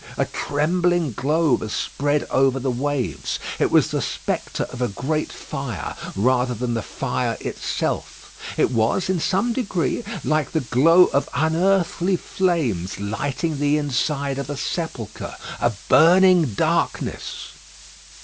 A trembling glow was spread over the waves. It was the spectre of a great fire, rather than the fire itself. It was in some degree like the glow of unearthly flames lighting the inside of a sepulchre. A burning darkness.